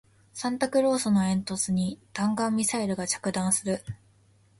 サンタクロースの煙突に弾道ミサイルが着弾する